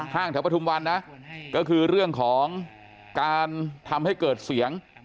แถวประทุมวันนะก็คือเรื่องของการทำให้เกิดเสียง